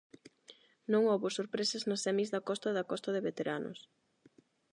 Non houbo sorpresas nas semis da Costa da Costa de veteranos.